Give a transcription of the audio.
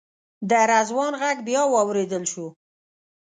د رضوان غږ بیا واورېدل شو.